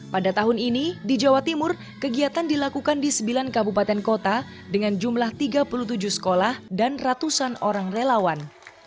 pada tahun ini di jawa timur kegiatan dilakukan di sembilan kabupaten kota dengan jumlah tiga puluh tujuh sekolah dan ratusan orang relawan